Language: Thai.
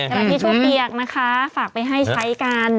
ขณะที่ชั่วเปียกนะคะฝากไปให้ใช้กัน